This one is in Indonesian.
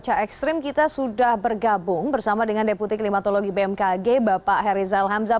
cuaca ekstrim kita sudah bergabung bersama dengan deputi klimatologi bmkg bapak herizal hamzah